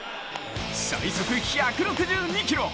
最速１６２キロ。